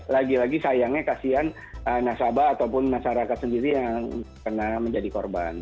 lagi lagi sayangnya kasian nasabah ataupun masyarakat sendiri yang kena menjadi korban